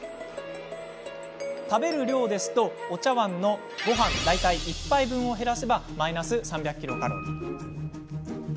食べる量だとお茶わんのごはん大体１杯分を減らせばマイナス３００ｋｃａｌ。